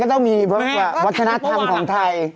มันก็ต้องมีแบบวัฒนธรรมของไทย